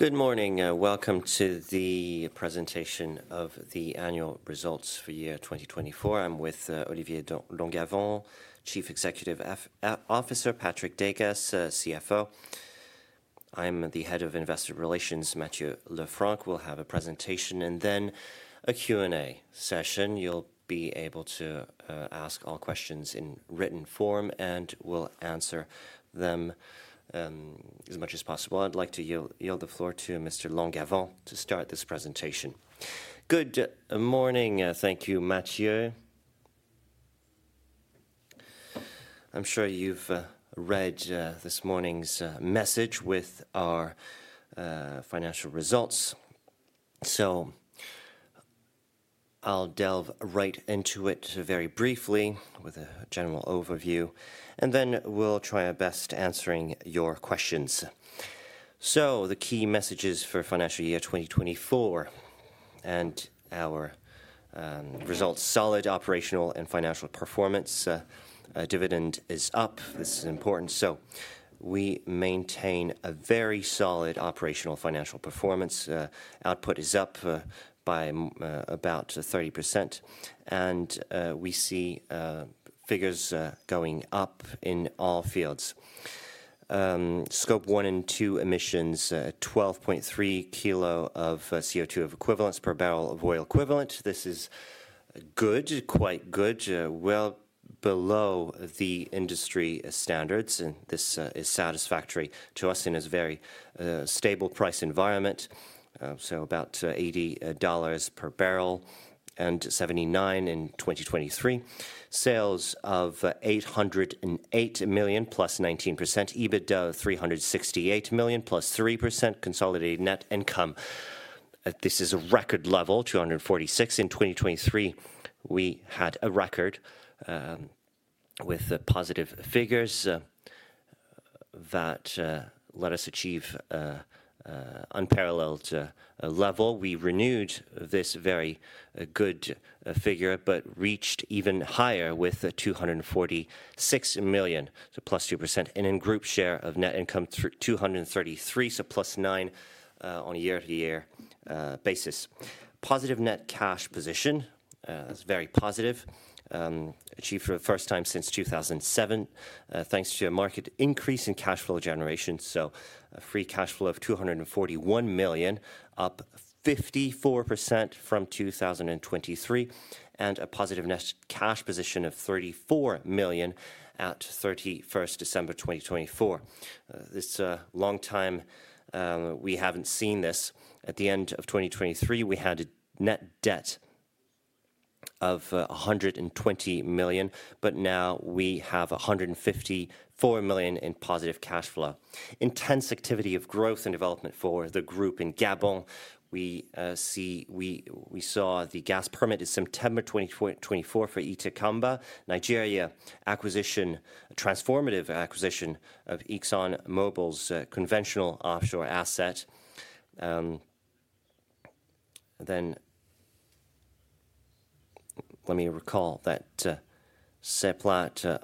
Good morning. Welcome to the presentation of the annual results for year 2024. I'm with Olivier de Langavant, Chief Executive Officer, Patrick Deygas, CFO. I'm the Head of Investor Relations, Matthieu Lefrancq. We'll have a presentation and then a Q&A session. You'll be able to ask all questions in written form, and we'll answer them as much as possible. I'd like to yield the floor to Mr. de Langavant to start this presentation. Good morning. Thank you, Mathieu. I'm sure you've read this morning's message with our financial results. I will delve right into it very briefly with a general overview, and then we'll try our best answering your questions. The key messages for financial year 2024 and our results: solid operational and financial performance. Dividend is up. This is important. We maintain a very solid operational financial performance. Output is up by about 30%, and we see figures going up in all fields. Scope one and two emissions: 12.3 kilo of CO2 equivalents per barrel of oil equivalent. This is good, quite good, well below the industry standards, and this is satisfactory to us in a very stable price environment. About $80 per barrel and $79 in 2023. Sales of $808 million, plus 19%. EBITDA of $368 million, plus 3%. Consolidated net income. This is a record level, $246 million. In 2023, we had a record with positive figures that let us achieve an unparalleled level. We renewed this very good figure, but reached even higher with $246 million, so plus 2%. In group share of net income, $233 million, so plus 9% on a year-to-year basis. Positive net cash position. It's very positive, achieved for the first time since 2007, thanks to a marked increase in cash flow generation. A free cash flow of $241 million, up 54% from 2023, and a positive net cash position of $34 million at 31st December 2024. This is a long time we haven't seen this. At the end of 2023, we had a net debt of $120 million, but now we have $154 million in positive cash flow. Intense activity of growth and development for the group in Gabon. We saw the gas permit in September 2024 for Itakamba, Nigeria, acquisition, transformative acquisition of ExxonMobil's conventional offshore asset. Let me recall that Seplat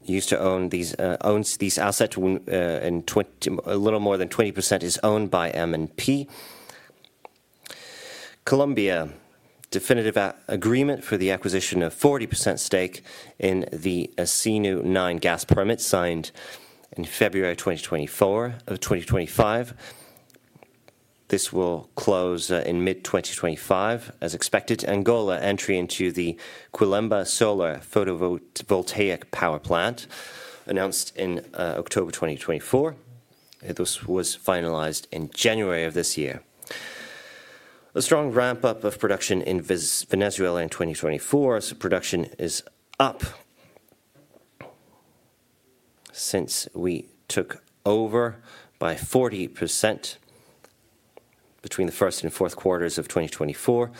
used to own these assets when a little more than 20% is owned by M&P. Colombia, definitive agreement for the acquisition of 40% stake in the CNU-9 gas permit signed in February 2024 of 2025. This will close in mid-2025, as expected. Angola, entry into the Quilemba Solar Photovoltaic Power Plant, announced in October 2024. This was finalized in January of this year. A strong ramp-up of production in Venezuela in 2024. Production is up since we took over by 40% between the first and fourth quarters of 2024.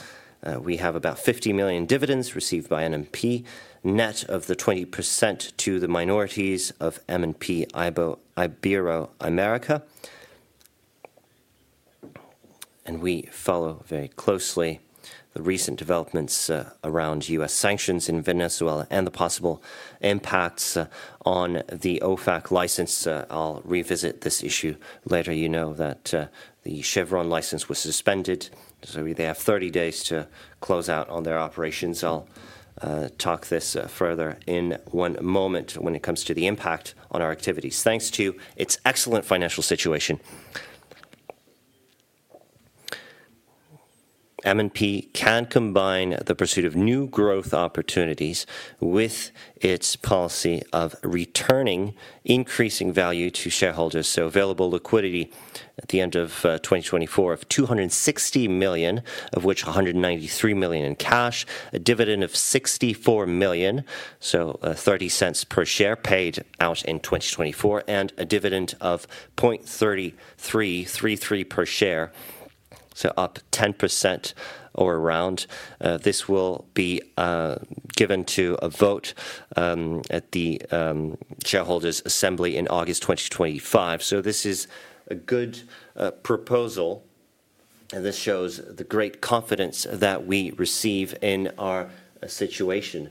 We have about $50 million dividends received by M&P, net of the 20% to the minorities of M&P Iberoamerica. We follow very closely the recent developments around U.S. sanctions in Venezuela and the possible impacts on the OFAC license. I'll revisit this issue later. You know that the Chevron license was suspended. They have 30 days to close out on their operations. I'll talk this further in one moment when it comes to the impact on our activities. Thanks to its excellent financial situation, M&P can combine the pursuit of new growth opportunities with its policy of returning increasing value to shareholders. Available liquidity at the end of 2024 of 260 million, of which 193 million in cash, a dividend of 64 million, $0.30 per share paid out in 2024, and a dividend of 0.33, 33 per share, up 10% or around. This will be given to a vote at the Shareholders' Assembly in August 2025. This is a good proposal, and this shows the great confidence that we receive in our situation.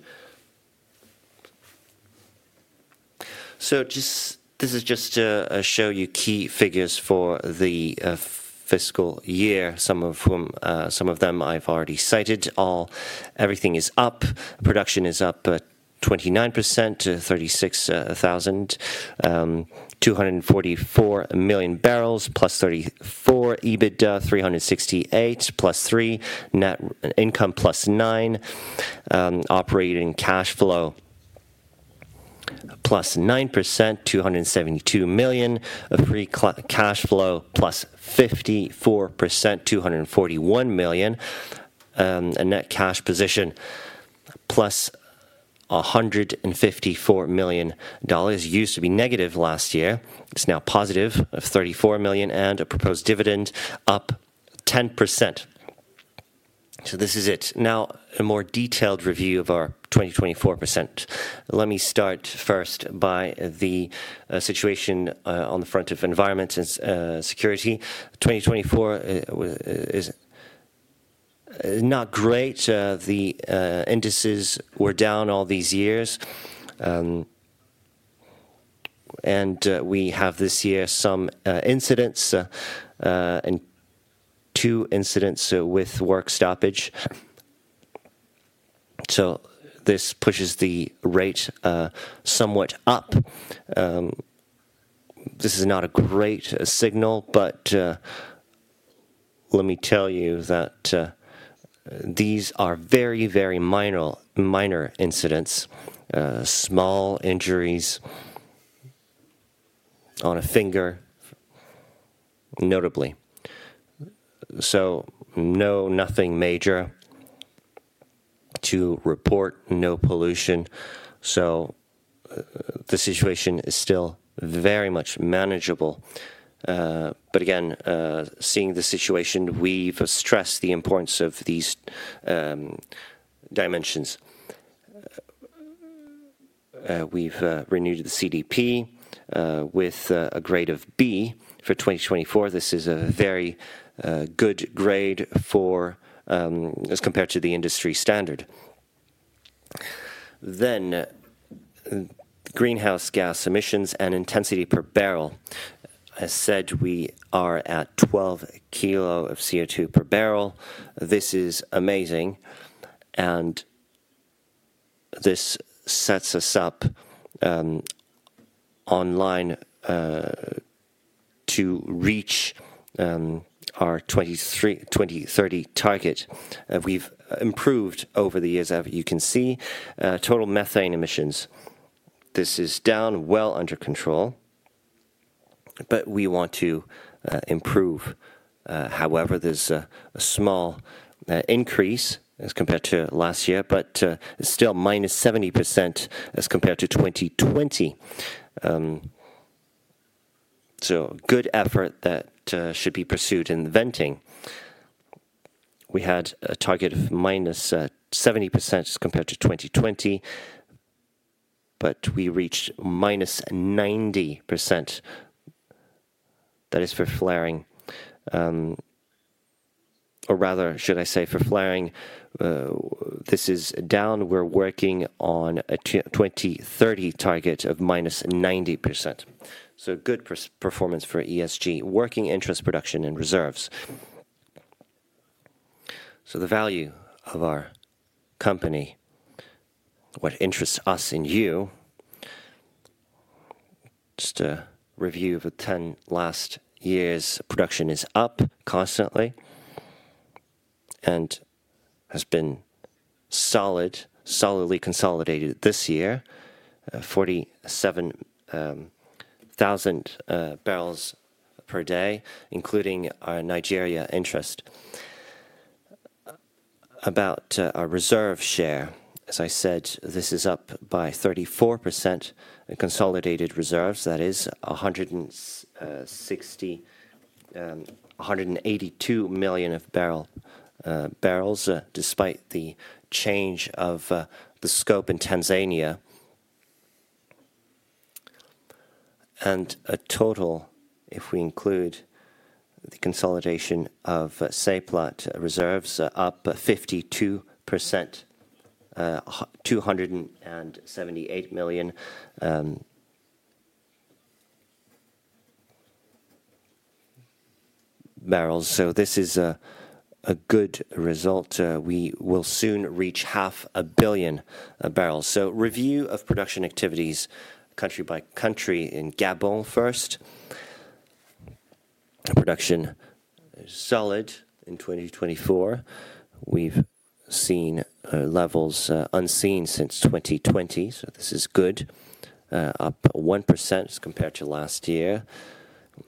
This is just to show you key figures for the fiscal year, some of them I've already cited. Everything is up. Production is up 29% to 36.244 million barrels, plus 34. EBITDA 368 million, plus 3. Net income plus 9. Operating cash flow plus 9%, 272 million. Free cash flow plus 54%, $241 million. A net cash position plus $154 million used to be negative last year. It's now positive of $34 million and a proposed dividend up 10%. This is it. Now, a more detailed review of our 2024%. Let me start first by the situation on the front of environment and security. 2024 is not great. The indices were down all these years, and we have this year some incidents, two incidents with work stoppage. This pushes the rate somewhat up. This is not a great signal, but let me tell you that these are very, very minor incidents, small injuries on a finger, notably. Nothing major to report, no pollution. The situation is still very much manageable. Again, seeing the situation, we've stressed the importance of these dimensions. We've renewed the CDP with a grade of B for 2024. This is a very good grade as compared to the industry standard. Greenhouse gas emissions and intensity per barrel. As said, we are at 12 kilo of CO2 per barrel. This is amazing, and this sets us up online to reach our 2030 target. We've improved over the years, as you can see. Total methane emissions, this is down well under control, but we want to improve. However, there's a small increase as compared to last year, but still minus 70% as compared to 2020. Good effort that should be pursued in venting. We had a target of minus 70% as compared to 2020, but we reached minus 90%. That is for flaring. Or rather, should I say for flaring? This is down. We're working on a 2030 target of minus 90%. Good performance for ESG, working interest production and reserves. The value of our company, what interests us and you. Just a review of the last 10 years. Production is up constantly and has been solid, solidly consolidated this year, 47,000 barrels per day, including Nigeria interest. About our reserve share, as I said, this is up by 34%. Consolidated reserves, that is 182 million barrels, despite the change of the scope in Tanzania. A total, if we include the consolidation of Seplat reserves, up 52%, 278 million barrels. This is a good result. We will soon reach half a billion barrels. Review of production activities country by country in Gabon first. Production is solid in 2024. We've seen levels unseen since 2020, so this is good, up 1% as compared to last year.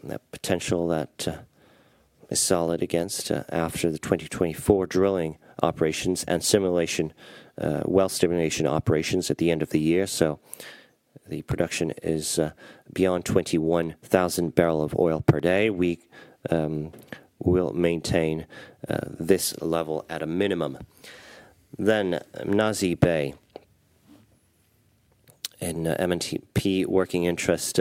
That potential that is solid against after the 2024 drilling operations and stimulation, well stimulation operations at the end of the year. The production is beyond 21,000 barrels of oil per day. We will maintain this level at a minimum. Mnazi Bay and M&P working interest,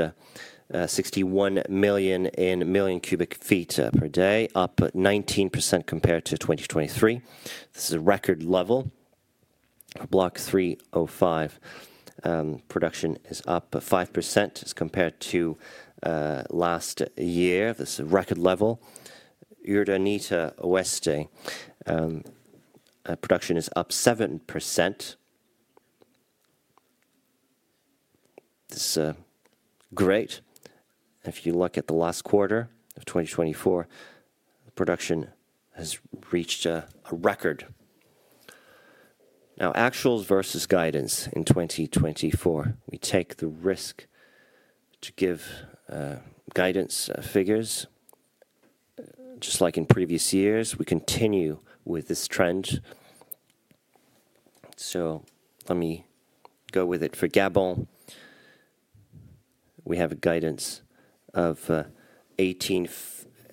61 million in million cubic feet per day, up 19% compared to 2023. This is a record level. Block 305 production is up 5% as compared to last year. This is a record level. Urdaneta Oeste, production is up 7%. This is great. If you look at the last quarter of 2024, production has reached a record. Now, actuals versus guidance in 2024. We take the risk to give guidance figures. Just like in previous years, we continue with this trend. Let me go with it. For Gabon, we have a guidance of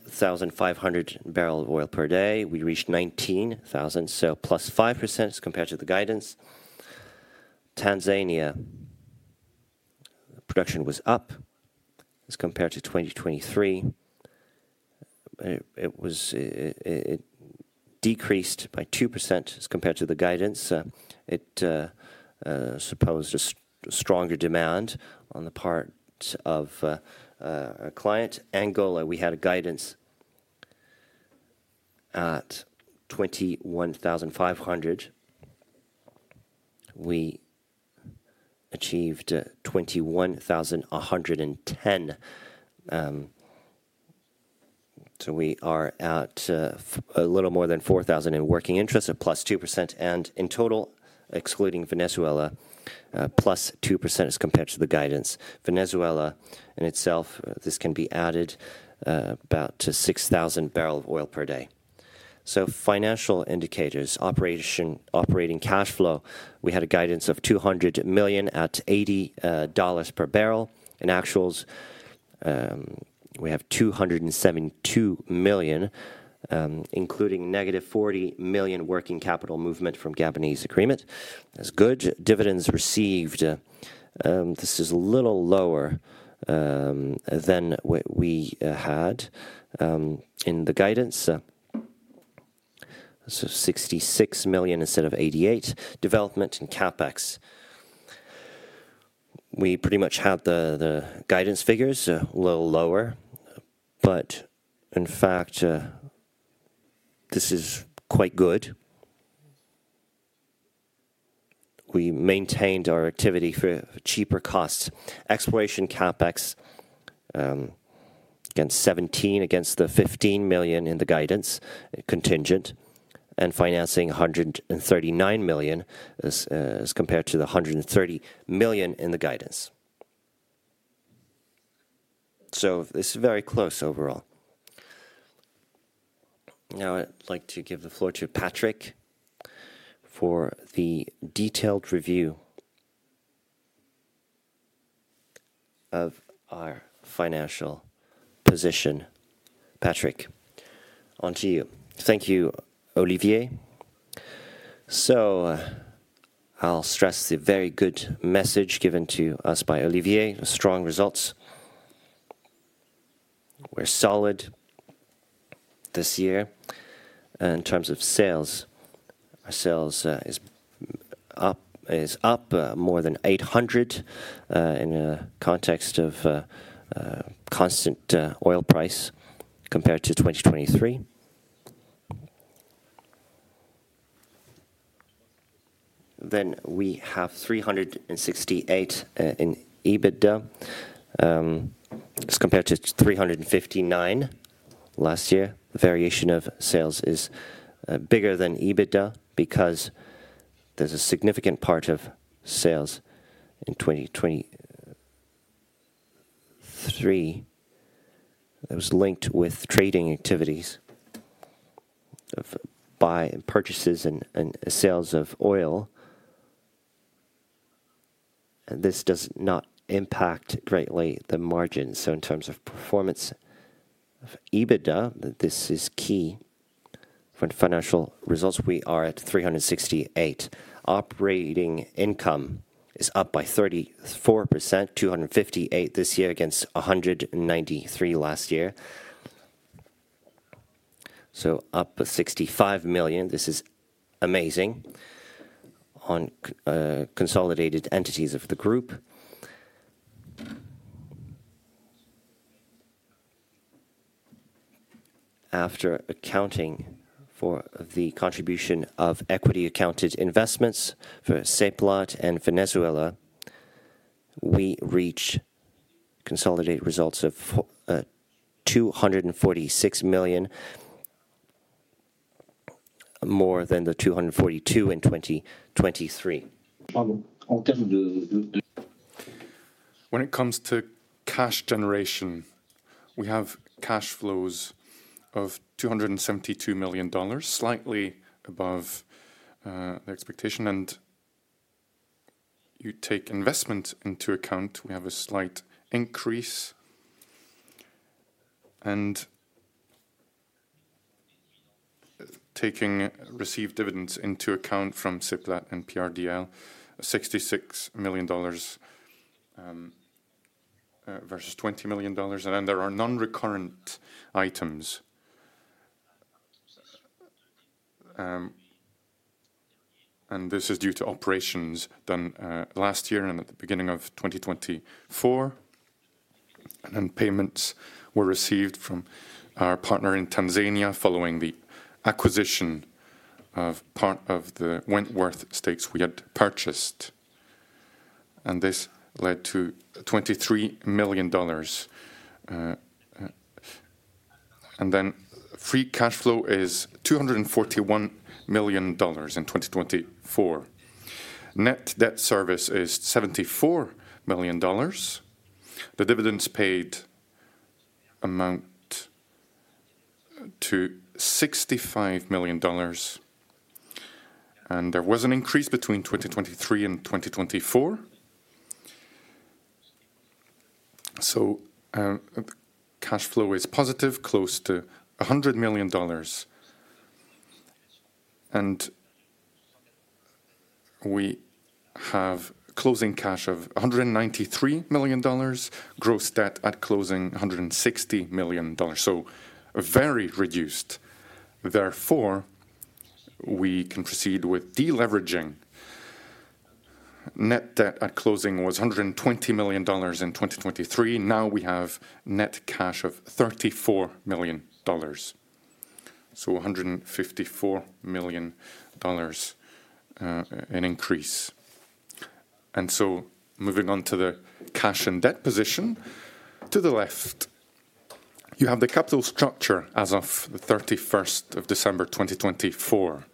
18,500 barrels of oil per day. We reached 19,000, so plus 5% as compared to the guidance. Tanzania, production was up as compared to 2023. It decreased by 2% as compared to the guidance. It supposed a stronger demand on the part of our client. Angola, we had a guidance at 21,500. We achieved 21,110. We are at a little more than 4,000 in working interest, plus 2%. In total, excluding Venezuela, plus 2% as compared to the guidance. Venezuela in itself, this can be added about to 6,000 barrels of oil per day. Financial indicators, operating cash flow, we had a guidance of $200 million at $80 per barrel. In actuals, we have $272 million, including negative $40 million working capital movement from Gabonese agreement. That's good. Dividends received, this is a little lower than what we had in the guidance. 66 million instead of 88. Development and CapEx. We pretty much have the guidance figures, a little lower, but in fact, this is quite good. We maintained our activity for cheaper costs. Exploration CapEx against $17 million, against the $15 million in the guidance, contingent, and financing $139 million as compared to the $130 million in the guidance. This is very close overall. Now, I'd like to give the floor to Patrick for the detailed review of our financial position. Patrick, on to you. Thank you, Olivier. I'll stress the very good message given to us by Olivier. Strong results. We're solid this year. In terms of sales, our sales is up more than $800 million in the context of constant oil price compared to 2023. We have $368 million in EBITDA as compared to $359 million last year. Variation of sales is bigger than EBITDA because there's a significant part of sales in 2023 that was linked with trading activities of buy and purchases and sales of oil. This does not impact greatly the margins. In terms of performance of EBITDA, this is key for financial results. We are at $368 million. Operating income is up by 34%, $258 million this year against $193 million last year. Up $65 million. This is amazing on consolidated entities of the group. After accounting for the contribution of equity-accounted investments for Seplat and Venezuela, we reach consolidated results of $246 million, more than the $242 million in 2023. En termes de. When it comes to cash generation, we have cash flows of $272 million, slightly above the expectation. You take investment into account, we have a slight increase. Taking received dividends into account from Seplat and PRDL, $66 million versus $20 million. There are non-recurrent items. This is due to operations done last year and at the beginning of 2024. Payments were received from our partner in Tanzania following the acquisition of part of the Wentworth stakes we had purchased. This led to $23 million. Free cash flow is $241 million in 2024. Net debt service is $74 million. The dividends paid amount to $65 million. There was an increase between 2023 and 2024. Cash flow is positive, close to $100 million. We have closing cash of $193 million, gross debt at closing $160 million. Very reduced. Therefore, we can proceed with deleveraging. Net debt at closing was $120 million in 2023. Now we have net cash of $34 million. $154 million in increase. Moving on to the cash and debt position. To the left, you have the capital structure as of the 31st of December 2024,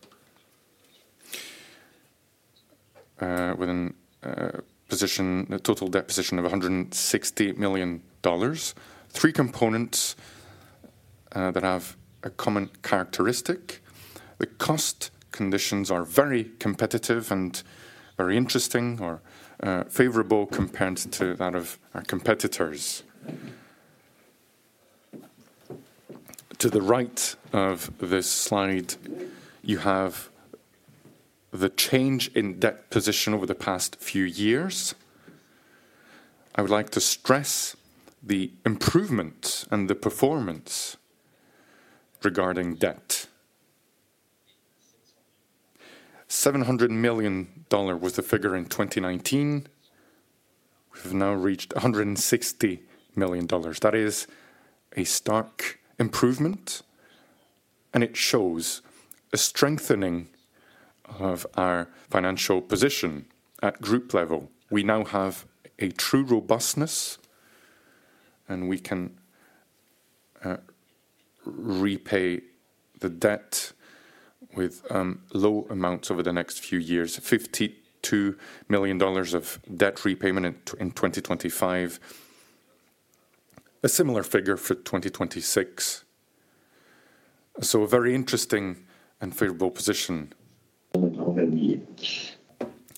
with a total debt position of $160 million. Three components that have a common characteristic. The cost conditions are very competitive and very interesting or favorable compared to that of our competitors. To the right of this slide, you have the change in debt position over the past few years. I would like to stress the improvement and the performance regarding debt. $700 million was the figure in 2019. We have now reached $160 million. That is a stark improvement, and it shows a strengthening of our financial position at group level. We now have a true robustness, and we can repay the debt with low amounts over the next few years. $52 million of debt repayment in 2025. A similar figure for 2026. A very interesting and favorable position.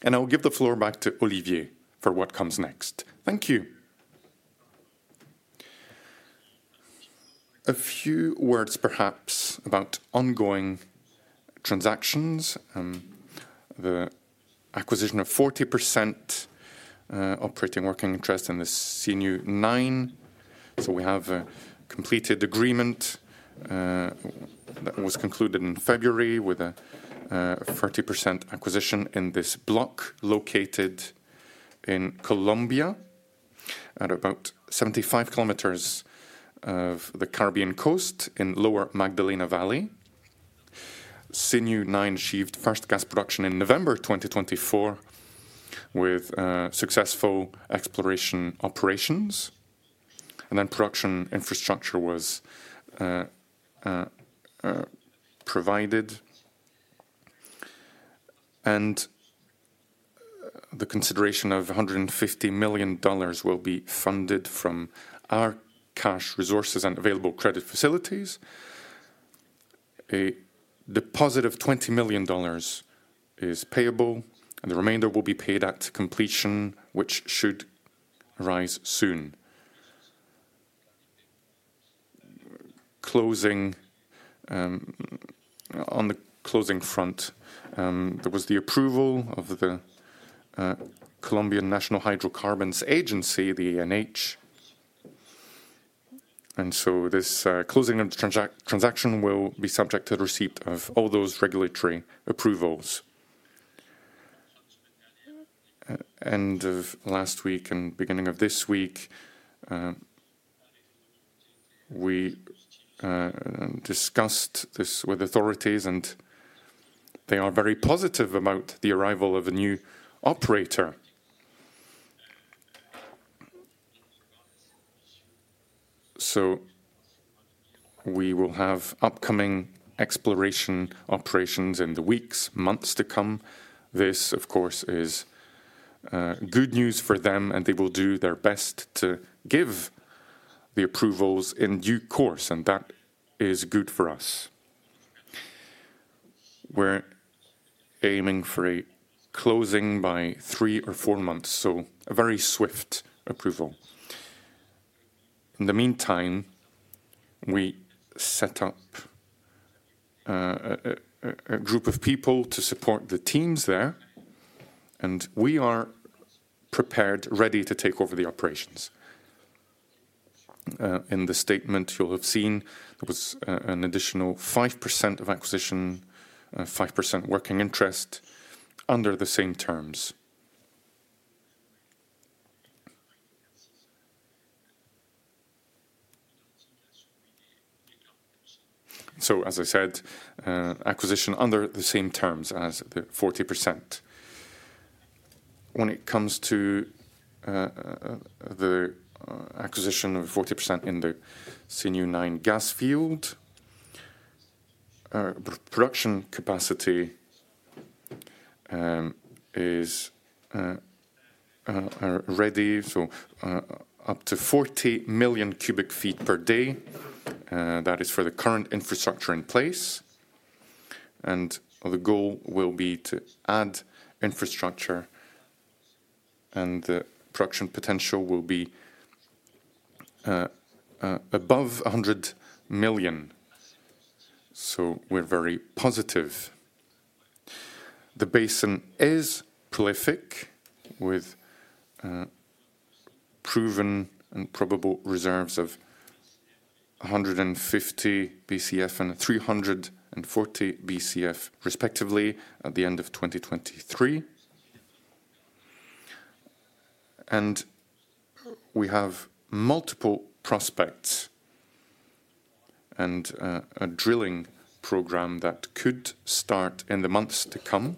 I'll give the floor back to Olivier for what comes next. Thank you. A few words perhaps about ongoing transactions. The acquisition of 40% operating working interest in the CNU9. We have a completed agreement that was concluded in February with a 40% acquisition in this block located in Colombia at about 75 km off the Caribbean coast in Lower Magdalena Valley. CNU9 achieved first gas production in November 2024 with successful exploration operations. Production infrastructure was provided. The consideration of $150 million will be funded from our cash resources and available credit facilities. A deposit of $20 million is payable, and the remainder will be paid at completion, which should arise soon. On the closing front, there was the approval of the Colombian National Hydrocarbons Agency, the ANH. This closing transaction will be subject to the receipt of all those regulatory approvals. End of last week and beginning of this week, we discussed this with authorities, and they are very positive about the arrival of a new operator. We will have upcoming exploration operations in the weeks, months to come. This, of course, is good news for them, and they will do their best to give the approvals in due course, and that is good for us. We're aiming for a closing by three or four months, so a very swift approval. In the meantime, we set up a group of people to support the teams there, and we are prepared, ready to take over the operations. In the statement you'll have seen, there was an additional 5% of acquisition, 5% working interest under the same terms. As I said, acquisition under the same terms as the 40%. When it comes to the acquisition of 40% in the CNU-9 gas field, production capacity is ready, up to 40 million cubic feet per day. That is for the current infrastructure in place. The goal will be to add infrastructure, and the production potential will be above 100 million. We are very positive. The basin is prolific with proven and probable reserves of 150 BCF and 340 BCF respectively at the end of 2023. We have multiple prospects and a drilling program that could start in the months to come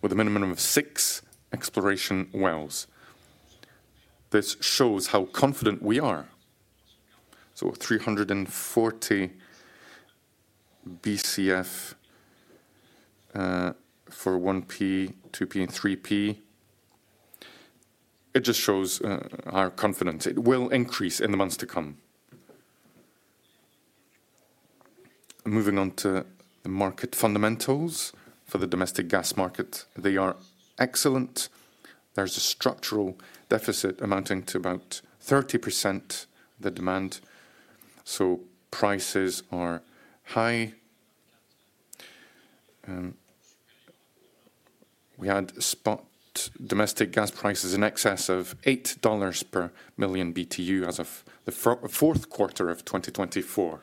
with a minimum of six exploration wells. This shows how confident we are. 340 BCF for 1P, 2P, and 3P just shows our confidence. It will increase in the months to come. Moving on to the market fundamentals for the domestic gas market, they are excellent. There's a structural deficit amounting to about 30% of the demand. Prices are high. We had spot domestic gas prices in excess of $8 per million BTU as of the fourth quarter of 2024.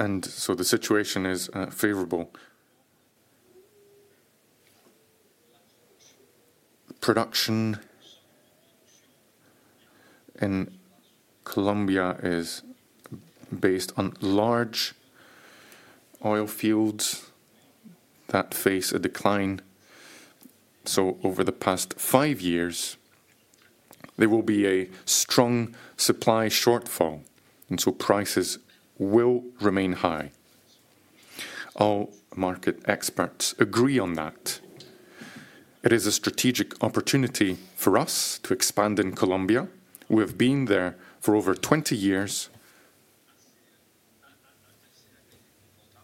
The situation is favorable. Production in Colombia is based on large oil fields that face a decline. Over the past five years, there will be a strong supply shortfall, and prices will remain high. All market experts agree on that. It is a strategic opportunity for us to expand in Colombia. We have been there for over 20 years.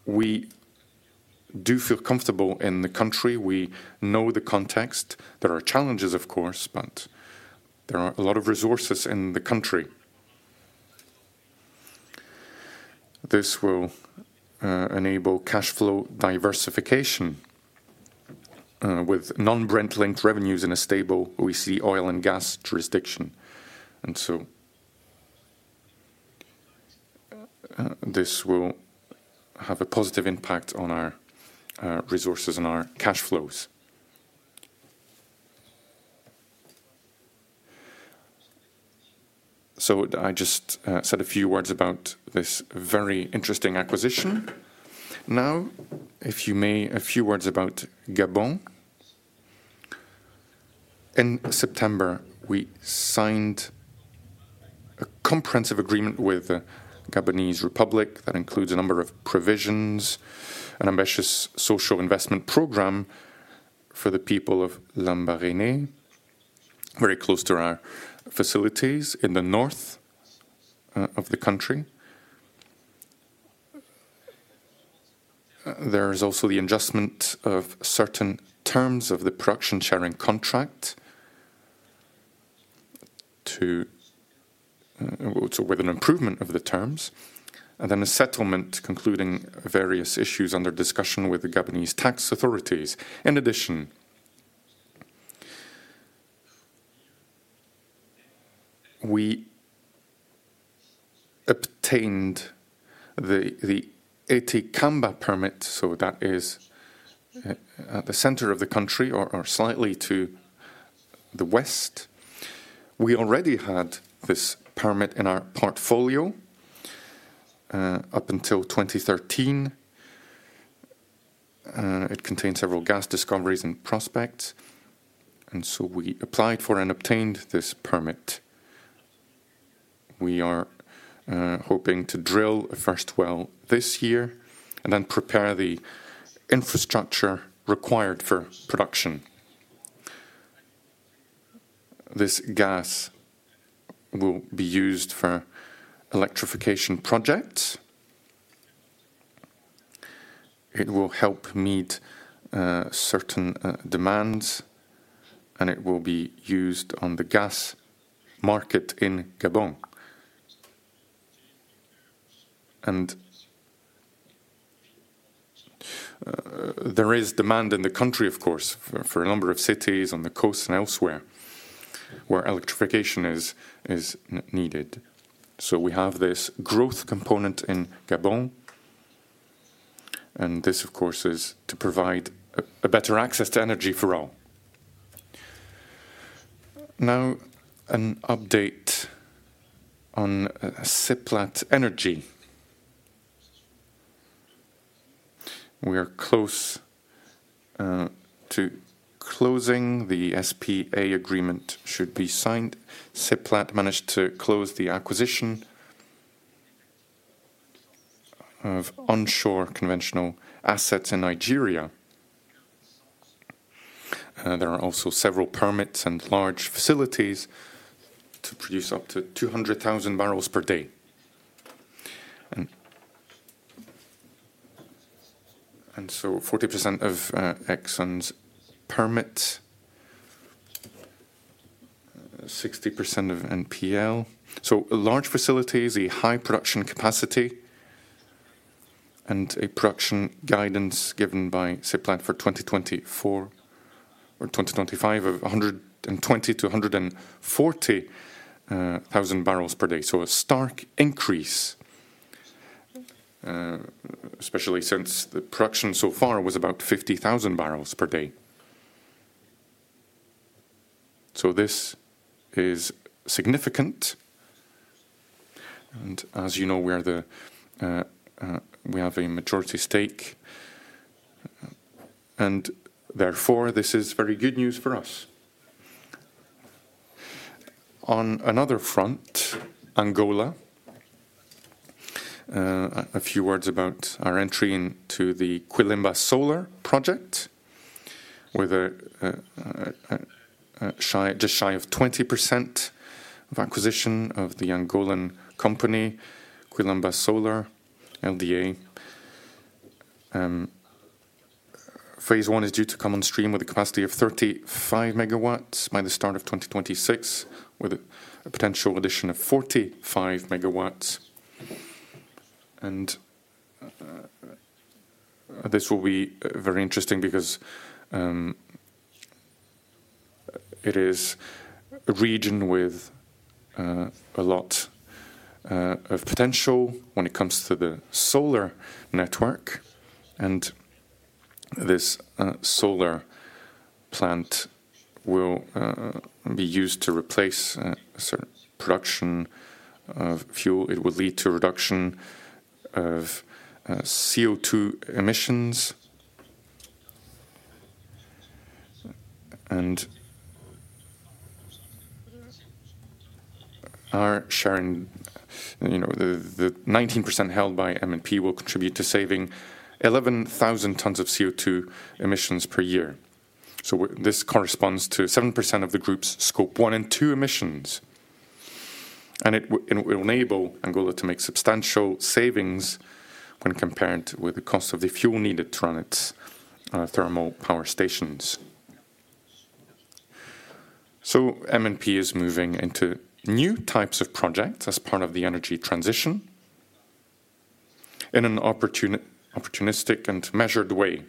We do feel comfortable in the country. We know the context. There are challenges, of course, but there are a lot of resources in the country. This will enable cash flow diversification with non-rent linked revenues in a stable OECD oil and gas jurisdiction. This will have a positive impact on our resources and our cash flows. I just said a few words about this very interesting acquisition. If you may, a few words about Gabon. In September, we signed a comprehensive agreement with the Gabonese Republic that includes a number of provisions, an ambitious social investment program for the people of Lambaréné, very close to our facilities in the north of the country. There is also the adjustment of certain terms of the production sharing contract with an improvement of the terms, and a settlement concluding various issues under discussion with the Gabonese tax authorities. In addition, we obtained the Eti Kamba permit, so that is at the center of the country or slightly to the west. We already had this permit in our portfolio up until 2013. It contains several gas discoveries and prospects. We applied for and obtained this permit. We are hoping to drill a first well this year and then prepare the infrastructure required for production. This gas will be used for electrification projects. It will help meet certain demands, and it will be used on the gas market in Gabon. There is demand in the country, of course, for a number of cities on the coast and elsewhere where electrification is needed. We have this growth component in Gabon. This, of course, is to provide better access to energy for all. Now, an update on Seplat Energy. We are close to closing. The SPA agreement should be signed. Seplat managed to close the acquisition of onshore conventional assets in Nigeria. There are also several permits and large facilities to produce up to 200,000 barrels per day. There is 40% of Exxon's permit, 60% of NPL. Large facilities, a high production capacity, and a production guidance given by Seplat for 2025 of 120,000-140,000 barrels per day. This is a stark increase, especially since the production so far was about 50,000 barrels per day. This is significant. As you know, we have a majority stake. Therefore, this is very good news for us. On another front, Angola, a few words about our entry into the Quilemba Solar project with just shy of 20% of acquisition of the Angolan company, Quilemba Solar LDA. Phase one is due to come on stream with a capacity of 35 megawatts by the start of 2026, with a potential addition of 45 megawatts. This will be very interesting because it is a region with a lot of potential when it comes to the solar network. This solar plant will be used to replace a certain production of fuel. It will lead to a reduction of CO2 emissions. The 19% held by M&P will contribute to saving 11,000 tons of CO2 emissions per year. This corresponds to 7% of the group's scope one and two emissions. It will enable Angola to make substantial savings when compared with the cost of the fuel needed to run its thermal power stations. M&P is moving into new types of projects as part of the energy transition in an opportunistic and measured way.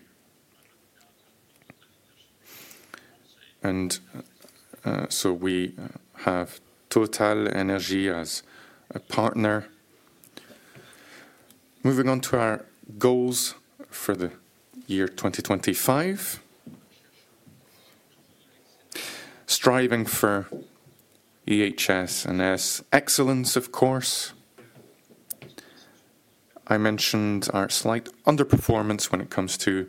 We have TotalEnergies as a partner. Moving on to our goals for the year 2025. Striving for EHS and excellence, of course. I mentioned our slight underperformance when it comes to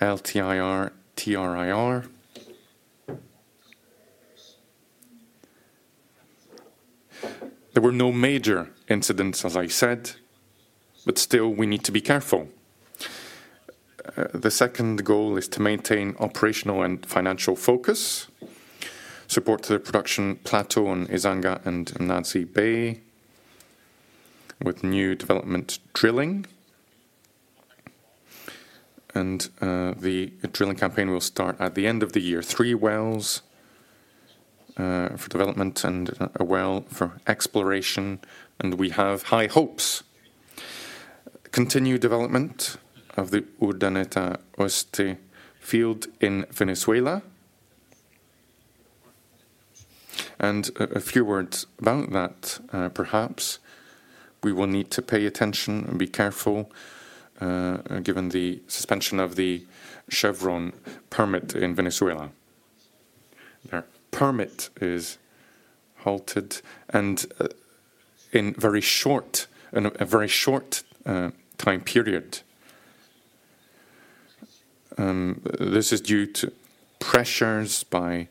LTIR, TRIR. There were no major incidents, as I said, but still, we need to be careful. The second goal is to maintain operational and financial focus, support the production plateau in Izanga and Mnazi Bay with new development drilling. The drilling campaign will start at the end of the year. Three wells for development and a well for exploration. We have high hopes. Continued development of the Urdaneta Oeste field in Venezuela. A few words about that, perhaps. We will need to pay attention and be careful given the suspension of the Chevron permit in Venezuela. Their permit is halted and in a very short time period. This is due to pressures by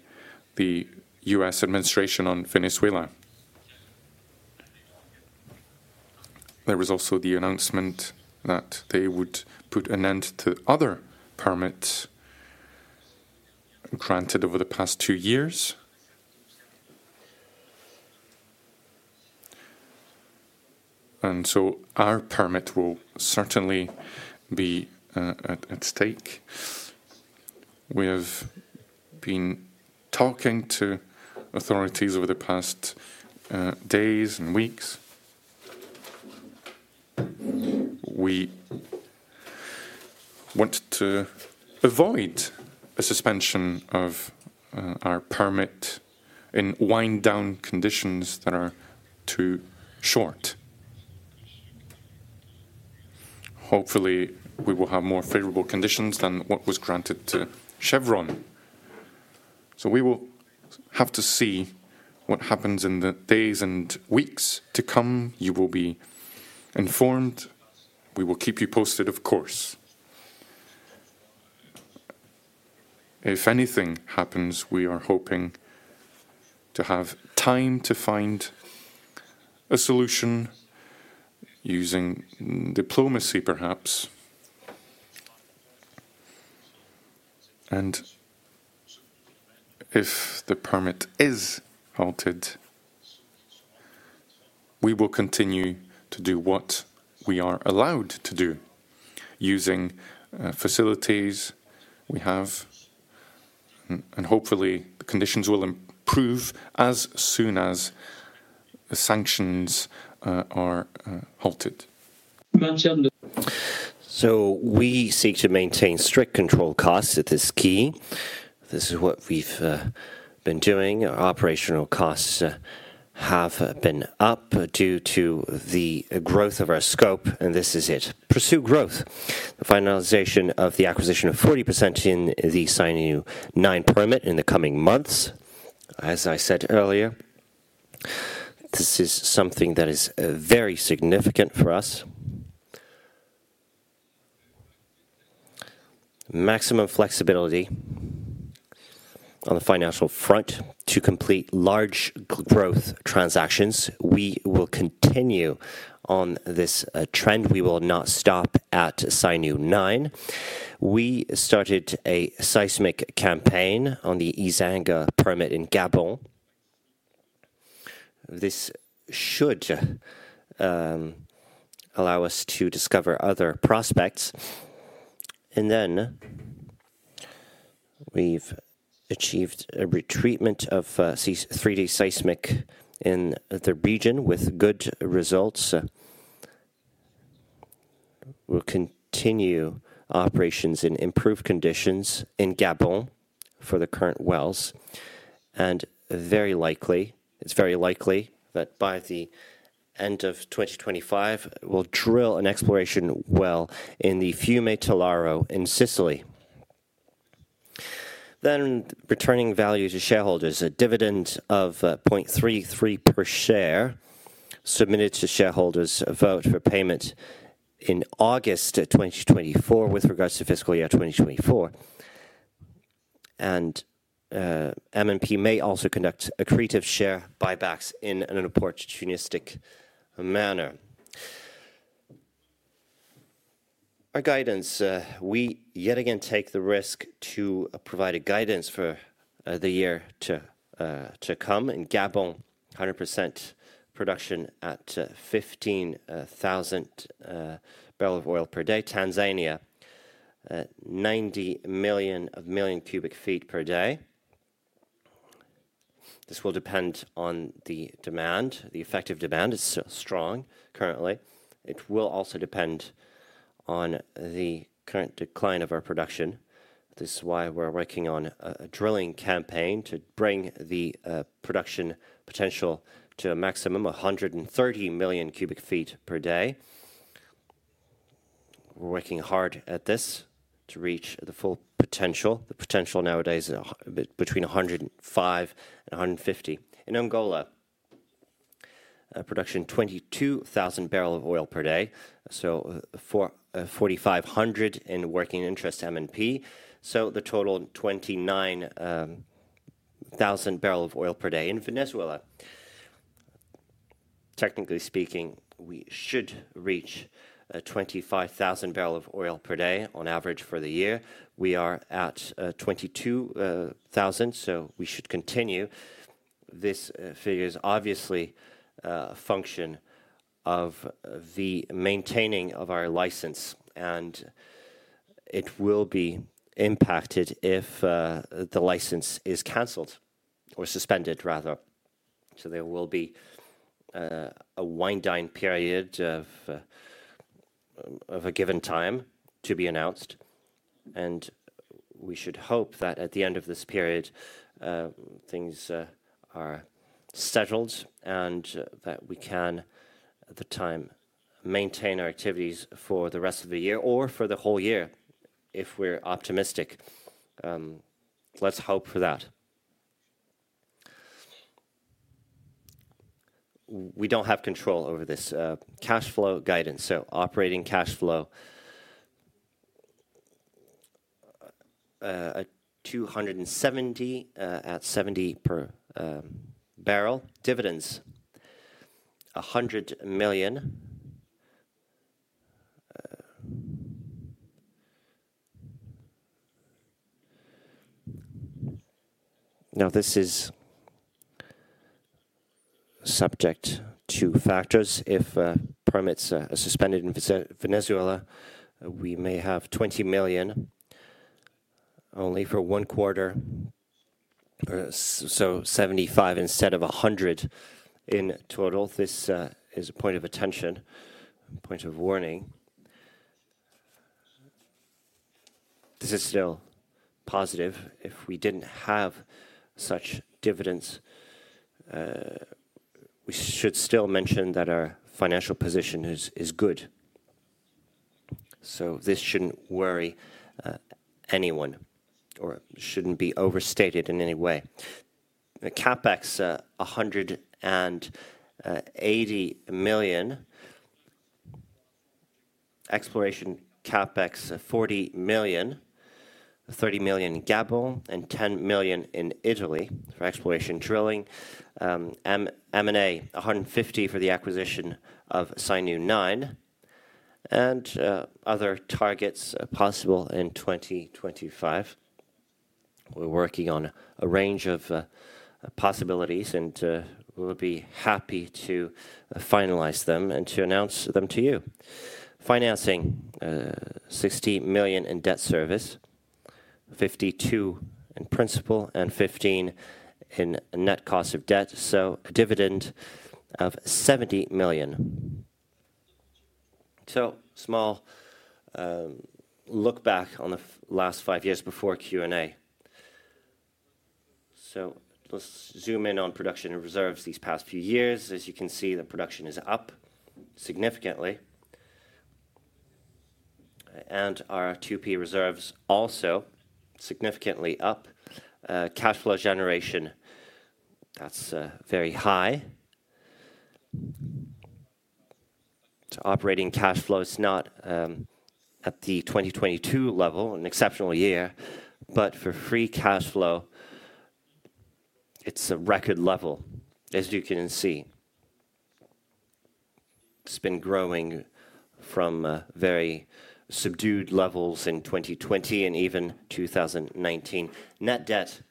the U.S. administration on Venezuela. There was also the announcement that they would put an end to other permits granted over the past two years. Our permit will certainly be at stake. We have been talking to authorities over the past days and weeks. We want to avoid a suspension of our permit in wind-down conditions that are too short. Hopefully, we will have more favorable conditions than what was granted to Chevron. We will have to see what happens in the days and weeks to come. You will be informed. We will keep you posted, of course. If anything happens, we are hoping to have time to find a solution using diplomacy, perhaps. If the permit is halted, we will continue to do what we are allowed to do using facilities we have. Hopefully, the conditions will improve as soon as the sanctions are halted. We seek to maintain strict control of costs. It is key. This is what we've been doing. Our operational costs have been up due to the growth of our scope, and this is it. Pursue growth. The finalization of the acquisition of 40% in the CNU-9 permit in the coming months. As I said earlier, this is something that is very significant for us. Maximum flexibility on the financial front to complete large growth transactions. We will continue on this trend. We will not stop at CNU-9. We started a seismic campaign on the Izanga permit in Gabon. This should allow us to discover other prospects. We have achieved a retreatment of three-day seismic in the region with good results. We will continue operations in improved conditions in Gabon for the current wells. It is very likely that by the end of 2025, we will drill an exploration well in the Fiumetolaro in Sicily. Returning value to shareholders, a dividend of €0.33 per share is submitted to shareholders for a vote for payment in August 2024 with regards to fiscal year 2024. M&P may also conduct accretive share buybacks in an opportunistic manner. Our guidance, we yet again take the risk to provide a guidance for the year to come in Gabon, 100% production at 15,000 barrels of oil per day. Tanzania, 90 million cubic feet per day. This will depend on the demand. The effective demand is strong currently. It will also depend on the current decline of our production. This is why we are working on a drilling campaign to bring the production potential to a maximum of 130 million cubic feet per day. We're working hard at this to reach the full potential. The potential nowadays is between 105 and 150. In Angola, production 22,000 barrels of oil per day, so 4,500 in working interest M&P. The total 29,000 barrels of oil per day in Venezuela. Technically speaking, we should reach 25,000 barrels of oil per day on average for the year. We are at 22,000, we should continue. This figure is obviously a function of the maintaining of our license, and it will be impacted if the license is canceled or suspended, rather. There will be a wind-down period of a given time to be announced. We should hope that at the end of this period, things are settled and that we can, at the time, maintain our activities for the rest of the year or for the whole year if we're optimistic. Let's hope for that. We don't have control over this cash flow guidance. Operating cash flow, $270 million at $70 per barrel, dividends, $100 million. This is subject to factors. If permits are suspended in Venezuela, we may have $20 million only for one quarter, so $75 million instead of $100 million in total. This is a point of attention, point of warning. This is still positive. If we didn't have such dividends, we should still mention that our financial position is good. This shouldn't worry anyone or shouldn't be overstated in any way. The CapEx, $180 million, exploration CapEx, $40 million, $30 million in Gabon and $10 million in Italy for exploration drilling. M&A, $150 million for the acquisition of CNU-9 and other targets possible in 2025. We're working on a range of possibilities, and we'll be happy to finalize them and to announce them to you. Financing, $60 million in debt service, $52 million in principal and $15 million in net cost of debt. Dividend of $70 million. A small look back on the last five years before Q&A. Let's zoom in on production and reserves these past few years. As you can see, the production is up significantly. And our 2P reserves also significantly up. Cash flow generation, that's very high. Operating cash flow is not at the 2022 level, an exceptional year, but for free cash flow, it's a record level, as you can see. It's been growing from very subdued levels in 2020 and even 2019. Net debt,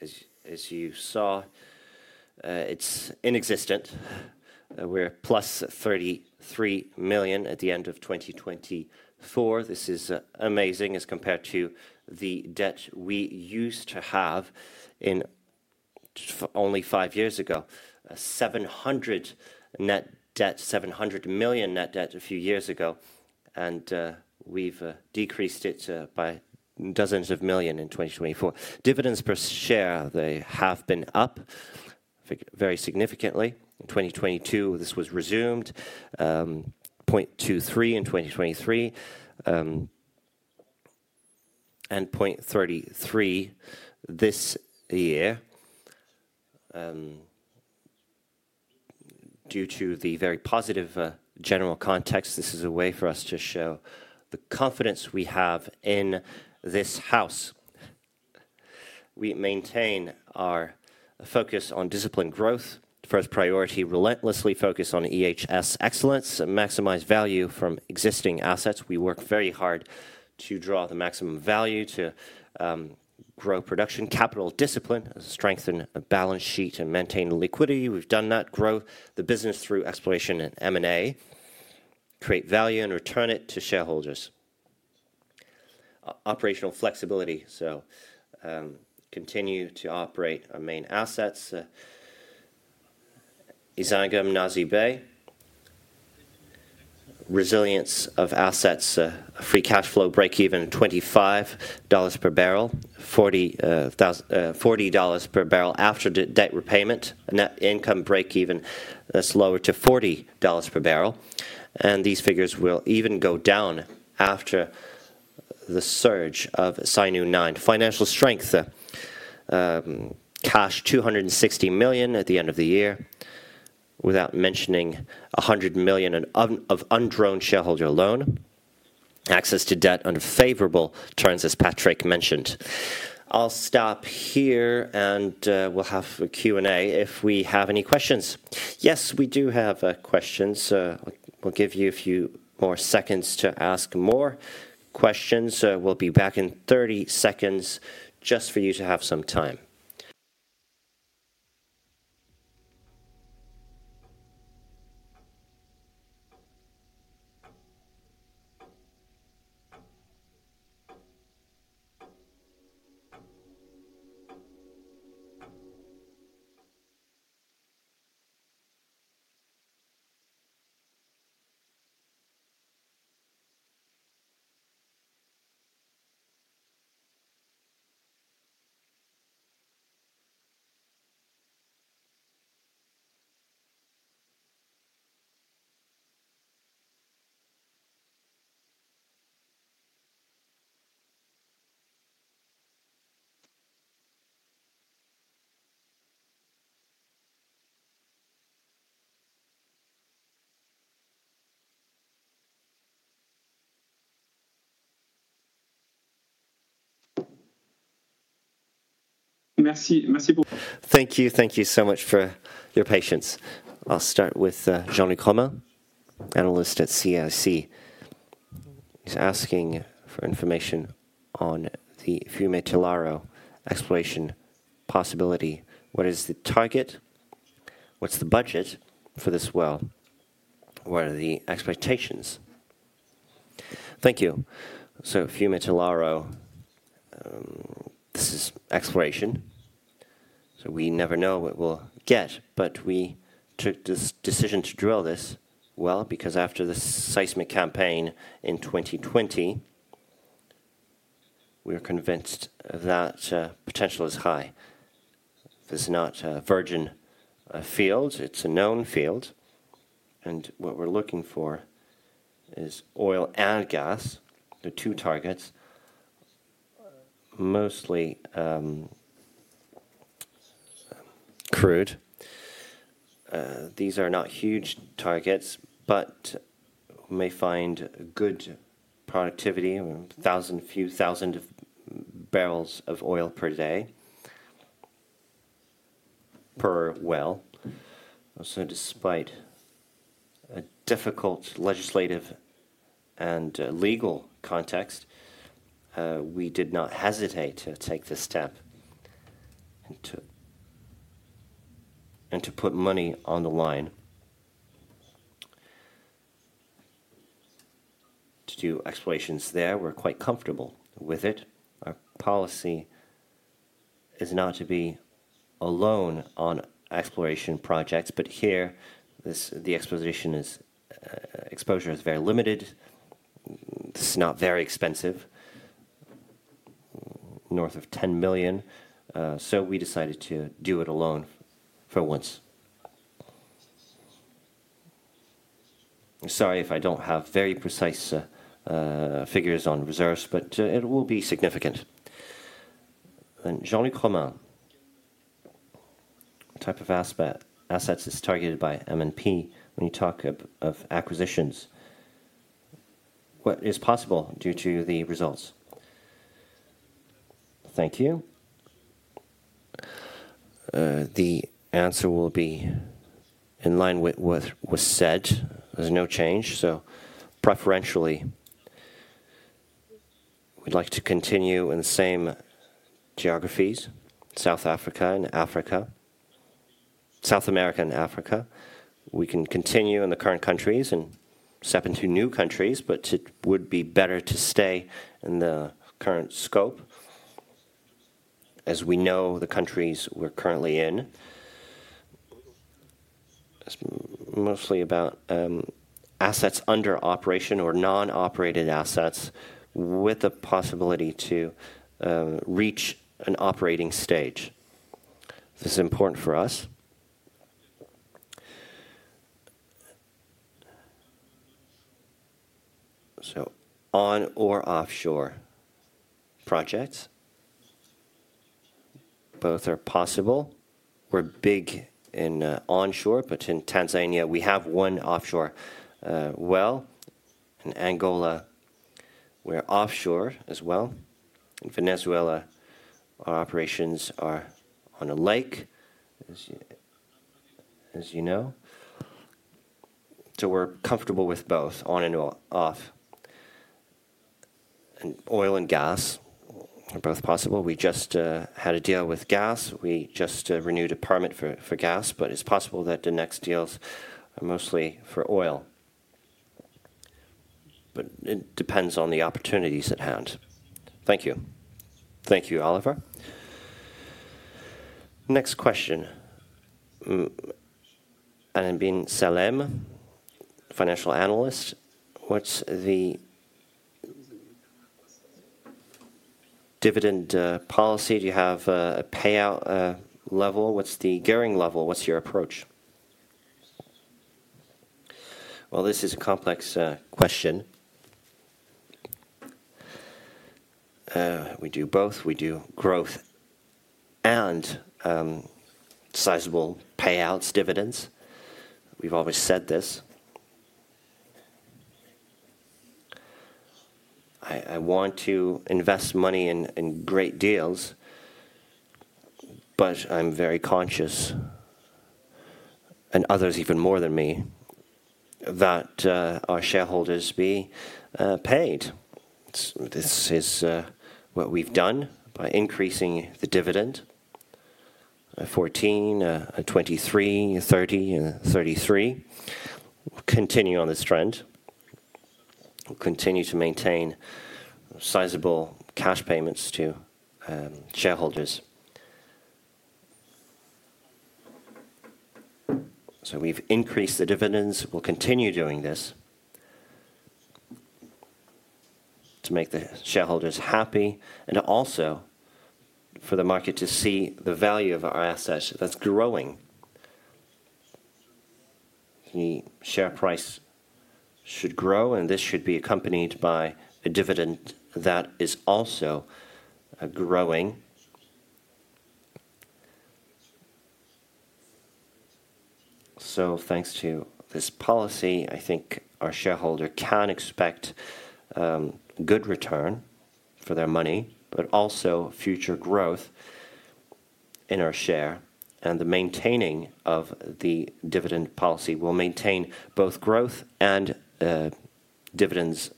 as you saw, it's inexistent. We're plus $33 million at the end of 2024. This is amazing as compared to the debt we used to have only five years ago, $700 million net debt, $700 million net debt a few years ago. We have decreased it by dozens of million in 2024. Dividends per share, they have been up very significantly. In 2022, this was resumed, 0.23 in 2023 and 0.33 this year. Due to the very positive general context, this is a way for us to show the confidence we have in this house. We maintain our focus on disciplined growth, first priority, relentlessly focus on EHS excellence, maximize value from existing assets. We work very hard to draw the maximum value to grow production, capital discipline, strengthen a balance sheet and maintain liquidity. We have done that, grow the business through exploration and M&A, create value and return it to shareholders. Operational flexibility, so continue to operate our main assets, Izanga, Mnazi Bay. Resilience of assets, free cash flow breakeven $25 per barrel, $40 per barrel after debt repayment, net income breakeven that is lower to $40 per barrel. These figures will even go down after the surge of CNU-9. Financial strength, cash $260 million at the end of the year, without mentioning $100 million of undrawn shareholder loan, access to debt under favorable terms, as Patrick mentioned. I'll stop here and we'll have a Q&A if we have any questions. Yes, we do have questions. We'll give you a few more seconds to ask more questions. We'll be back in 30 seconds just for you to have some time. Merci. Thank you. Thank you so much for your patience. I'll start with Jean-Luc Roman, analyst at CRC. He's asking for information on the Fiumetolaro exploration possibility. What is the target? What's the budget for this well? What are the expectations? Thank you. Fiumetolaro, this is exploration. We never know what we'll get, but we took this decision to drill this well because after the seismic campaign in 2020, we're convinced that potential is high. This is not a virgin field. It's a known field. What we're looking for is oil and gas, the two targets, mostly crude. These are not huge targets, but we may find good productivity, a few thousand barrels of oil per day per well. Despite a difficult legislative and legal context, we did not hesitate to take the step and to put money on the line to do explorations there. We're quite comfortable with it. Our policy is not to be alone on exploration projects, but here, the exposure is very limited. It's not very expensive, north of $10 million. We decided to do it alone for once. Sorry if I don't have very precise figures on reserves, but it will be significant. And Jean-Luc Roman, type of assets is targeted by M&P when you talk of acquisitions. What is possible due to the results? Thank you. The answer will be in line with what was said. There's no change. Preferentially, we'd like to continue in the same geographies, South America and Africa. We can continue in the current countries and step into new countries, but it would be better to stay in the current scope as we know the countries we're currently in. Mostly about assets under operation or non-operated assets with the possibility to reach an operating stage. This is important for us. On or offshore projects, both are possible. We're big in onshore, but in Tanzania, we have one offshore well. In Angola, we're offshore as well. In Venezuela, our operations are on a lake, as you know. So we're comfortable with both on and off. And oil and gas are both possible. We just had a deal with gas. We just renewed a permit for gas, but it's possible that the next deals are mostly for oil. It depends on the opportunities at hand. Thank you. Thank you, Olivier. Next question. Albin Salem, financial analyst, what's the dividend policy? Do you have a payout level? What's the gearing level? What's your approach? This is a complex question. We do both. We do growth and sizable payouts, dividends. We've always said this. I want to invest money in great deals, but I'm very conscious, and others even more than me, that our shareholders be paid. This is what we've done by increasing the dividend, 14, 23, 30, and 33. We'll continue on this trend. We'll continue to maintain sizable cash payments to shareholders. We've increased the dividends. We'll continue doing this to make the shareholders happy and also for the market to see the value of our assets that's growing. The share price should grow, and this should be accompanied by a dividend that is also growing. Thanks to this policy, I think our shareholder can expect good return for their money, but also future growth in our share. The maintaining of the dividend policy will maintain both growth and dividends.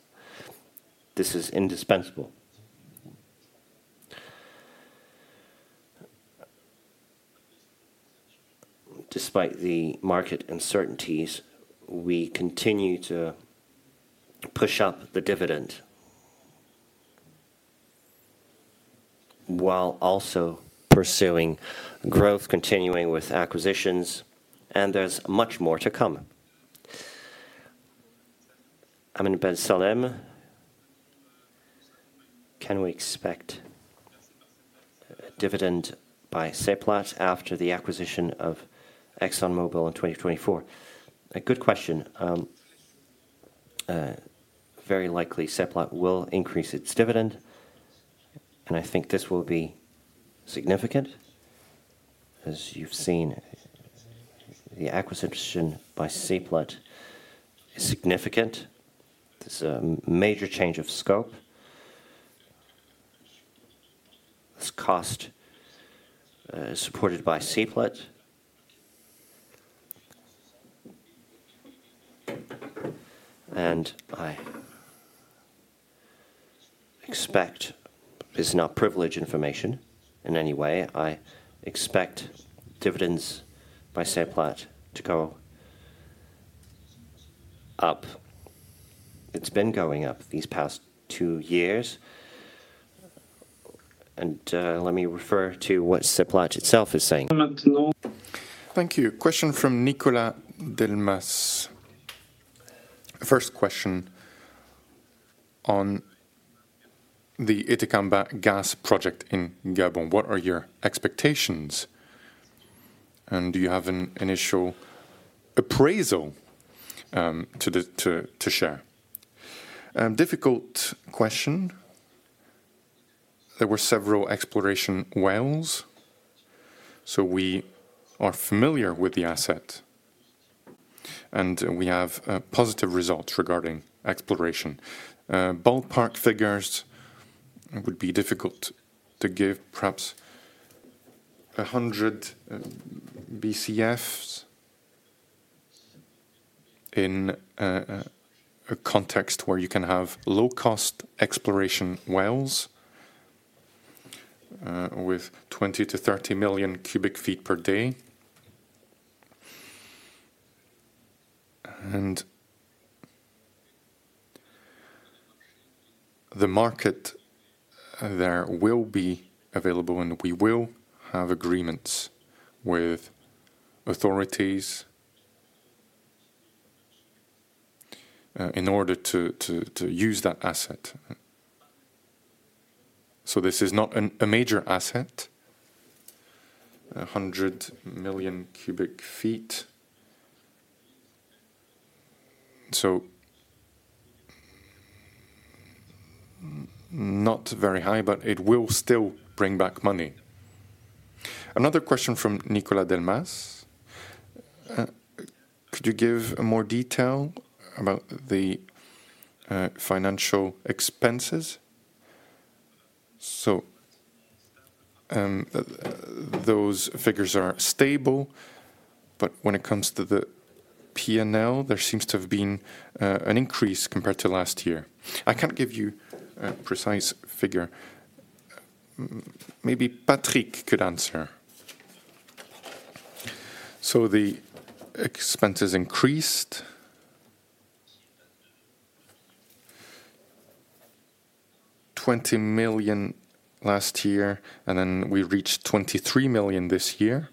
This is indispensable. Despite the market uncertainties, we continue to push up the dividend while also pursuing growth, continuing with acquisitions, and there's much more to come. Amin Ben Salem, can we expect dividend by Seplat after the acquisition of ExxonMobil in 2024? A good question. Very likely Seplat will increase its dividend, and I think this will be significant. As you've seen, the acquisition by Seplat is significant. There's a major change of scope. This cost is supported by Seplat. I expect, this is not privileged information in any way, I expect dividends by Seplat to go up. It's been going up these past two years. Let me refer to what Seplat itself is saying. Thank you. Question from Nicola Delmas. First question on the Itakamba gas project in Gabon. What are your expectations? Do you have an initial appraisal to share? Difficult question. There were several exploration wells, so we are familiar with the asset, and we have positive results regarding exploration. Ballpark figures would be difficult to give, perhaps 100 BCF in a context where you can have low-cost exploration wells with 20-30 million cubic feet per day. The market there will be available, and we will have agreements with authorities in order to use that asset. This is not a major asset, 100 million cubic feet. Not very high, but it will still bring back money. Another question from Nicola Delmas. Could you give more detail about the financial expenses? Those figures are stable, but when it comes to the P&L, there seems to have been an increase compared to last year. I can't give you a precise figure. Maybe Patrick could answer. The expenses increased $20 million last year, and then we reached $23 million this year.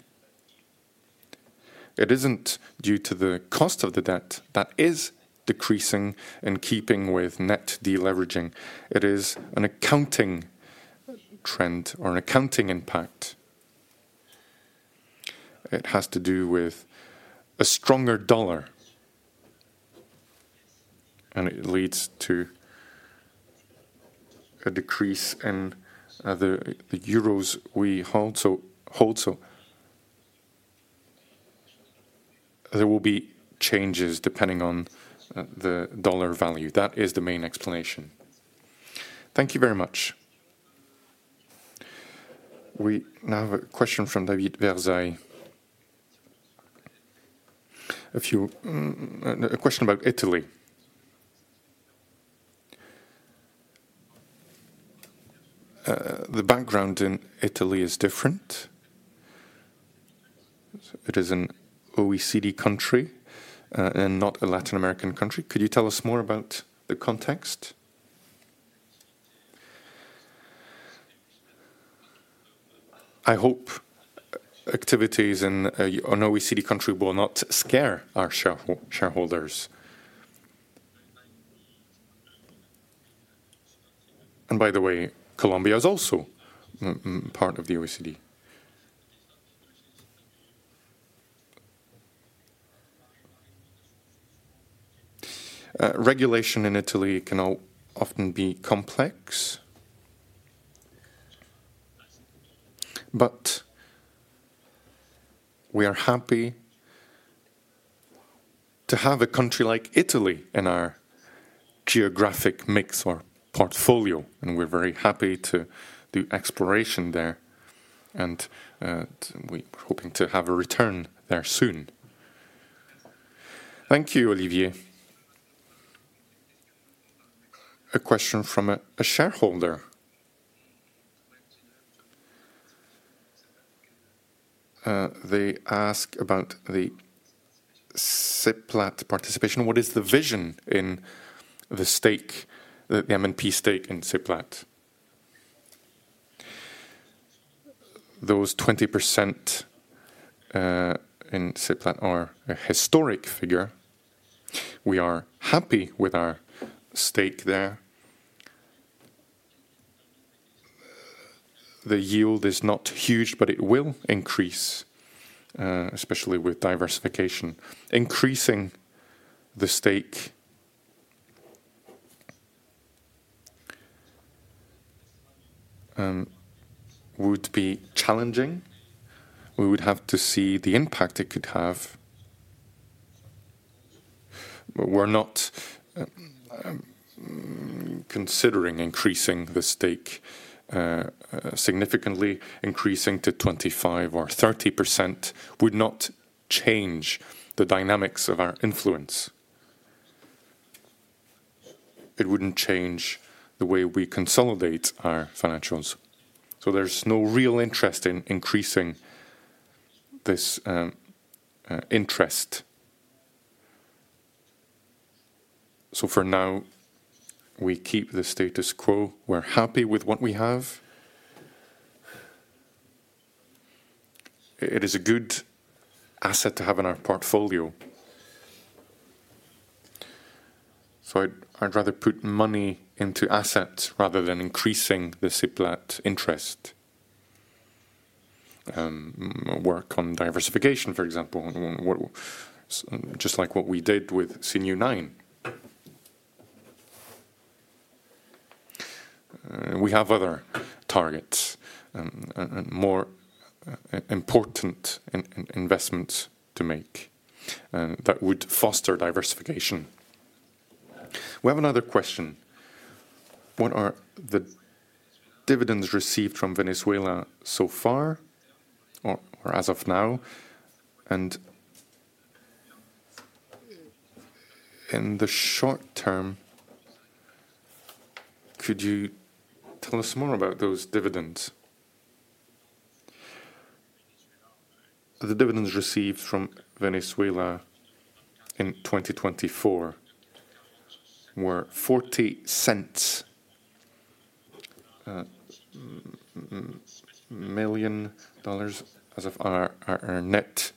It isn't due to the cost of the debt that is decreasing in keeping with net deleveraging. It is an accounting trend or an accounting impact. It has to do with a stronger dollar, and it leads to a decrease in the euros we hold. There will be changes depending on the dollar value. That is the main explanation. Thank you very much. We now have a question from David Verzeil. A question about Italy. The background in Italy is different. It is an OECD country and not a Latin American country. Could you tell us more about the context? I hope activities in an OECD country will not scare our shareholders. By the way, Colombia is also part of the OECD. Regulation in Italy can often be complex, but we are happy to have a country like Italy in our geographic mix or portfolio, and we're very happy to do exploration there. We're hoping to have a return there soon. Thank you, Olivier. A question from a shareholder. They ask about the Seplat participation. What is the vision in the stake, the M&P stake in Seplat? Those 20% in Seplat are a historic figure. We are happy with our stake there. The yield is not huge, but it will increase, especially with diversification. Increasing the stake would be challenging. We would have to see the impact it could have. We're not considering increasing the stake significantly. Increasing to 25% or 30% would not change the dynamics of our influence. It wouldn't change the way we consolidate our financials. There is no real interest in increasing this interest. For now, we keep the status quo. We're happy with what we have. It is a good asset to have in our portfolio. I'd rather put money into assets rather than increasing the Seplat interest. Work on diversification, for example, just like what we did with CNU-9. We have other targets and more important investments to make that would foster diversification. We have another question. What are the dividends received from Venezuela so far or as of now? In the short term, could you tell us more about those dividends? The dividends received from Venezuela in 2024 were $0.40 million as of our net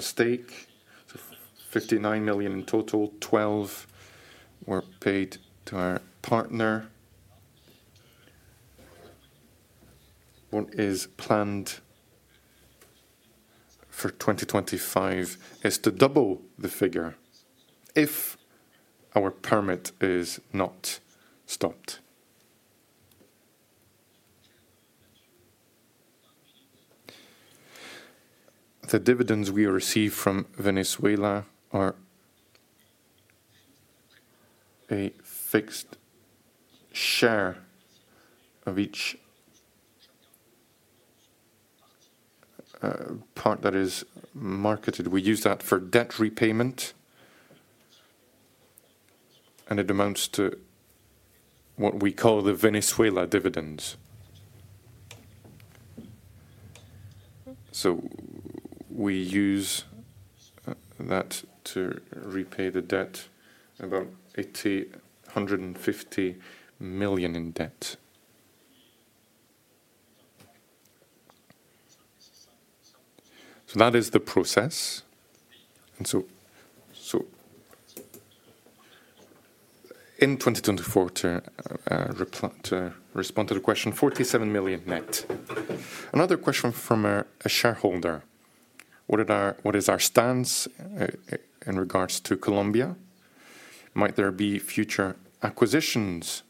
stake. $59 million in total, $12 million were paid to our partner. What is planned for 2025 is to double the figure if our permit is not stopped. The dividends we receive from Venezuela are a fixed share of each part that is marketed. We use that for debt repayment, and it amounts to what we call the Venezuela dividends. We use that to repay the debt, about $150 million in debt. That is the process. In 2024, to respond to the question, $47 million net. Another question from a shareholder. What is our stance in regards to Colombia? Might there be future acquisitions?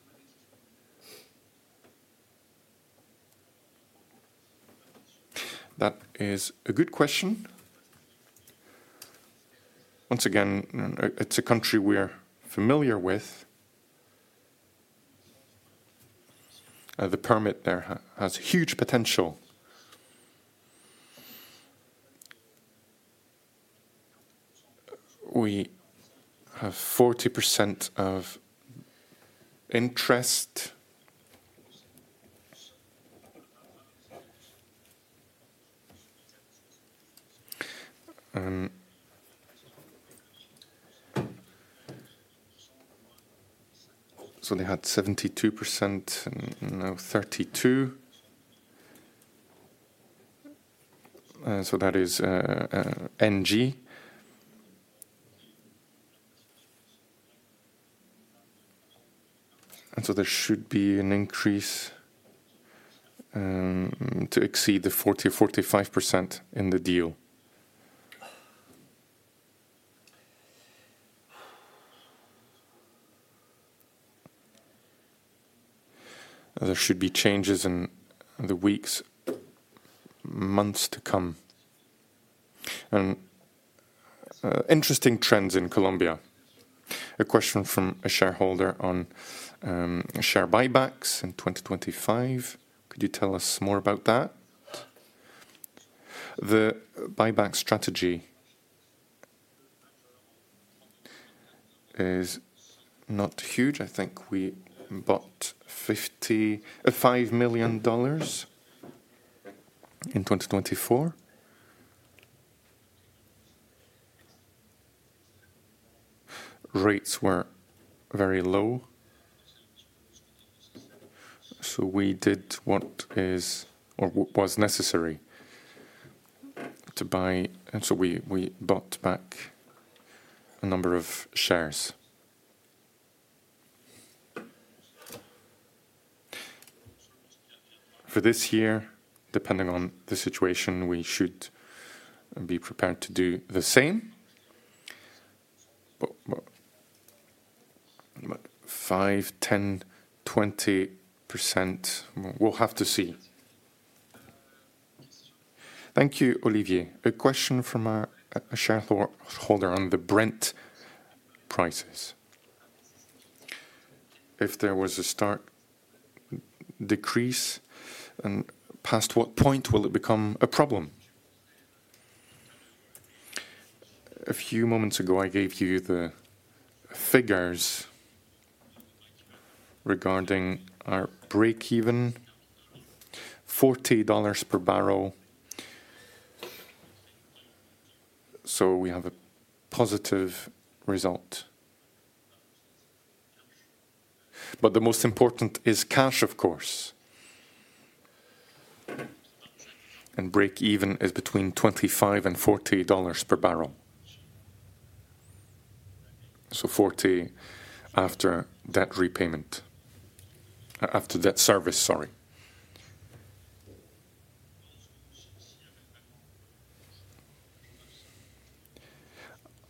That is a good question. Once again, it's a country we're familiar with. The permit there has huge potential. We have 40% of interest. They had 72%, now 32%. That is NG. There should be an increase to exceed the 40%-45% in the deal. There should be changes in the weeks, months to come. Interesting trends in Colombia. A question from a shareholder on share buybacks in 2025. Could you tell us more about that? The buyback strategy is not huge. I think we bought $5 million in 2024. Rates were very low. We did what was necessary to buy. We bought back a number of shares. For this year, depending on the situation, we should be prepared to do the same. But 5%, 10%, 20%, we'll have to see. Thank you, Olivier. A question from a shareholder on the Brent prices. If there was a stark decrease, and past what point will it become a problem? A few moments ago, I gave you the figures regarding our break-even, $40 per barrel. We have a positive result. The most important is cash, of course. Break-even is between $25-$40 per barrel. $40 after debt repayment, after debt service, sorry.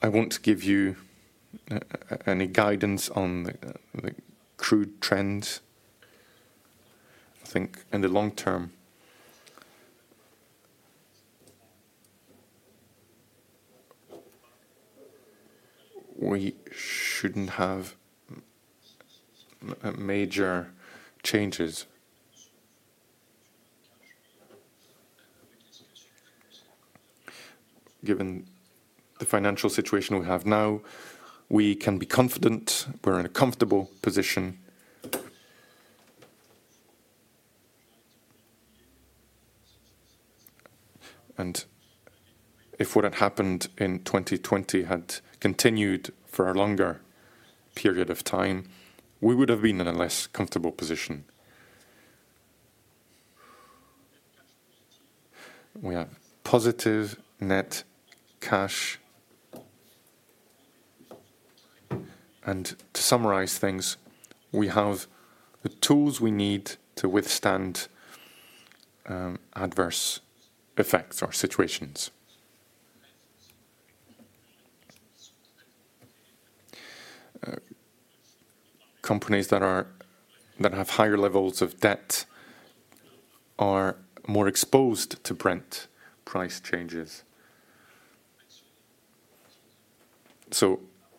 I won't give you any guidance on the crude trends, I think, in the long term. We shouldn't have major changes. Given the financial situation we have now, we can be confident we're in a comfortable position. If what had happened in 2020 had continued for a longer period of time, we would have been in a less comfortable position. We have positive net cash. To summarize things, we have the tools we need to withstand adverse effects or situations. Companies that have higher levels of debt are more exposed to Brent price changes.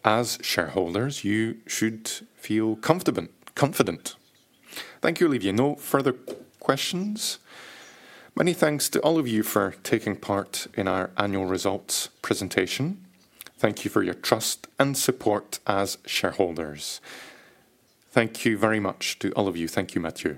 As shareholders, you should feel confident. Thank you, Olivier. No further questions. Many thanks to all of you for taking part in our annual results presentation. Thank you for your trust and support as shareholders. Thank you very much to all of you. Thank you, Matthieu.